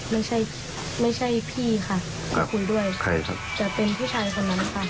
ไม่ใช่ไม่ใช่พี่ค่ะขอบคุณด้วยใครครับจะเป็นผู้ชายคนนั้นค่ะ